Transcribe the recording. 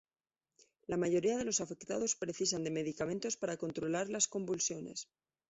La mayoría de los afectados precisan de medicamentos para controlar las convulsiones.